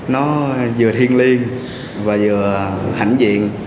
nó vừa thiên liêng và vừa hãnh diện